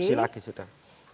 sudah tidak produksi lagi